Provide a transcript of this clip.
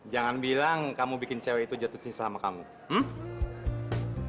jangan bilang kamu bikin cewek itu jatuhin sama kamu hmm